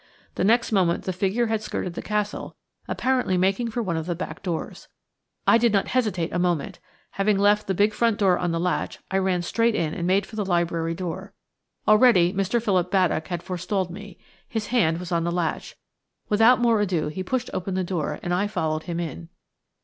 The next moment the figure had skirted the Castle, apparently making for one of the back doors. I did not hesitate a moment. Having left the big front door on the latch, I ran straight in and made for the library door. Already Mr. Philip Baddock had forestalled me. His hand was on the latch. Without more ado he pushed open the door and I followed him in.